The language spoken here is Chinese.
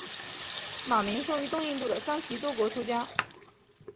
马鸣生于东印度的桑岐多国出家。